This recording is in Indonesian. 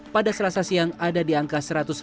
pada selasa siang ada di angka satu ratus lima puluh